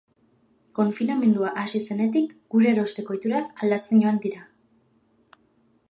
Konfinamendua hasi zenetik, gure erosteko ohiturak aldatzen joan dira.